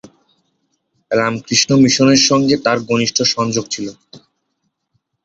রামকৃষ্ণ মিশনের সঙ্গে তার ঘনিষ্ঠ সংযোগ ছিল।